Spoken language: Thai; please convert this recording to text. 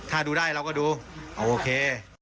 ถ้าดูได้เราก็ดูโอเค